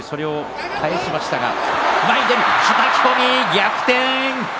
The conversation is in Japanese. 逆転！